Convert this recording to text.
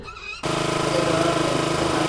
او ورڅخه زده کوو.